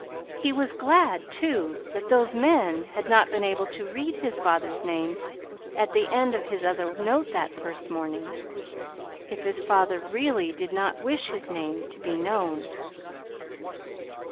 He was glad, too, that those men had not been able to read his father's name at the end of his other note that first morning if his father really did not wish his name to be known.